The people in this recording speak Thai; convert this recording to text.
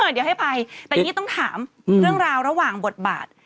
เดี๋ยวให้ไปแต่อย่างนี้ต้องถามเรื่องราวระหว่างบทบาท